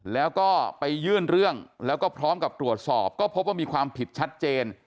แล้วก็ไปยื่นเรื่องแล้วก็พร้อมกับตรวจสอบก็พบว่ามีความผิดชัดเจน